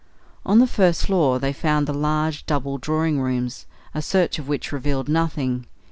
On the first floor they found the large double drawing rooms, a search of which revealed nothing.